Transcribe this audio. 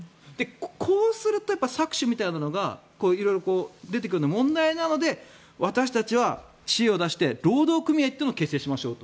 こうすると搾取みたいなのが色々出てくるのは問題なので私たちは知恵を出して労働組合というのを結成しましょうと。